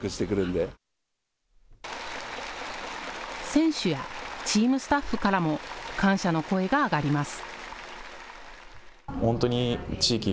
選手やチームスタッフからも感謝の声が上がります。